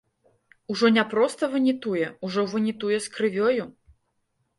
Ужо не проста ванітуе, ужо ванітуе з крывёю.